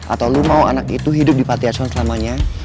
atau lo mau anak itu hidup di pateason selamanya